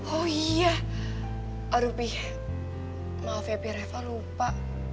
oh iya aduh pi maaf ya pi reva lupa